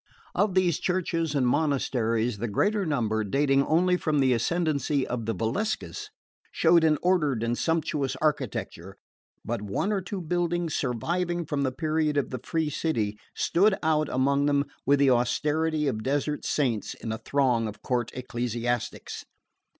Of these churches and monasteries the greater number, dating only from the ascendancy of the Valseccas, showed an ordered and sumptuous architecture; but one or two buildings surviving from the period of the free city stood out among them with the austerity of desert saints in a throng of court ecclesiastics.